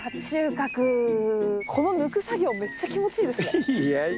この抜く作業めっちゃ気持ちいいですね。